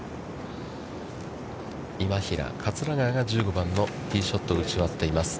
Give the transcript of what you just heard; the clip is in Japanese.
今平、桂川が１５番のティーショットを打ち終わっています。